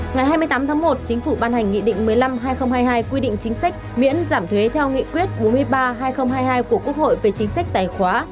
ngày hai mươi tám tháng một chính phủ ban hành nghị định một mươi năm hai nghìn hai mươi hai quy định chính sách miễn giảm thuế theo nghị quyết bốn mươi ba hai nghìn hai mươi hai của quốc hội về chính sách tài khóa